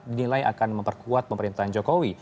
dinilai akan memperkuat pemerintahan jokowi